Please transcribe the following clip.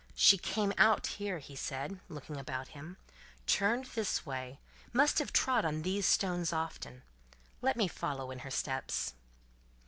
"She came out here," he said, looking about him, "turned this way, must have trod on these stones often. Let me follow in her steps."